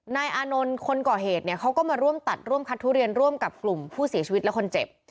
นายอานนท์คนก่อเหตุเนี่ยเขาก็มาร่วมตัดร่วมคัดทุเรียนร่วมกับกลุ่มผู้เสียชีวิตและคนเจ็บ